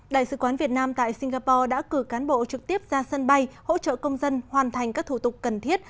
đại sứ quán việt nam tại singapore đã cử cán bộ trực tiếp ra sân bay hỗ trợ công dân hoàn thành các thủ tục cần thiết